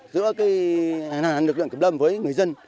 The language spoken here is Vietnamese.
là lực lượng cấp lâm với người dân